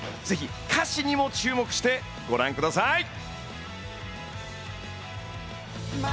ぜひ歌詞にも注目してご覧ください。